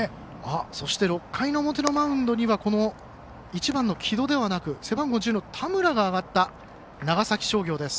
そして６回の表のマウンドには１番の城戸ではなく背番号１０の田村が上がった長崎商業です。